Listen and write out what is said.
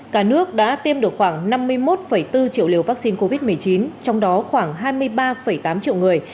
cả nước đã tiêm được khoảng năm mươi một bốn triệu liều vaccine covid một mươi chín trong đó khoảng hai mươi ba tám triệu người